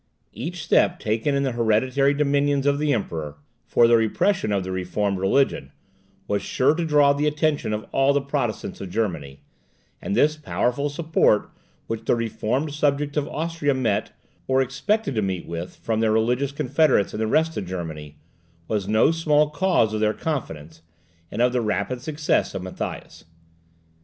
Every step taken in the hereditary dominions of the Emperor, for the repression of the reformed religion, was sure to draw the attention of all the Protestants of Germany; and this powerful support which the reformed subjects of Austria met, or expected to meet with from their religious confederates in the rest of Germany, was no small cause of their confidence, and of the rapid success of Matthias.